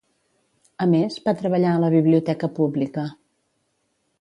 A més, va treballar a la biblioteca pública.